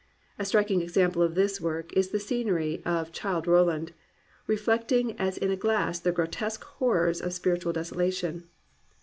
A striking example of this work is the scenery of Childe Roland, reflect ing as in a glass the grotesque horrors of spiritual desolation.